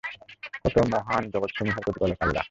কত মহান জগতসমূহের প্রতিপালক আল্লাহ!